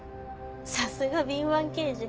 さすが敏腕刑事。